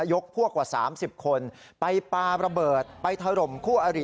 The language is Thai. ยกพวกกว่า๓๐คนไปปาระเบิดไปถล่มคู่อริ